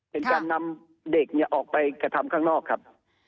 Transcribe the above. เป็นการนำเด็กออกไปกระทำข้างนอกครับ